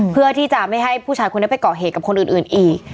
เพื่อที่จะไม่ให้ผู้ชายคนนี้ไปก่อเหตุกับคนอื่นอีก